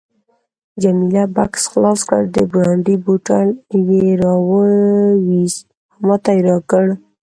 جميله بکس خلاص کړ، د برانډي بوتل یې راوایست او ماته یې راکړ.